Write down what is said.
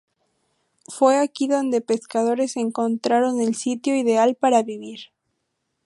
Fue aquí donde pescadores encontraron el sitio ideal para vivir.